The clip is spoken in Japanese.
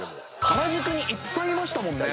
原宿にいっぱいいましたもんね。